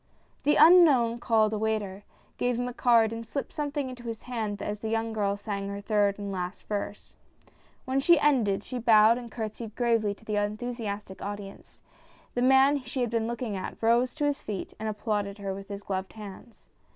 The unknown called a waiter, gave him a card and slipped something into his hand as the young girl sang her third and last verse. When she ended she bowed and courtsied gravely to the enthusiastic audience : the man she had been looking at, rose to his feet and applauded her with his gloved hands.